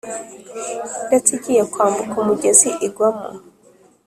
ndetse igiye kwambuka umugezi igwamo.